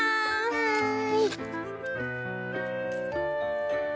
はい！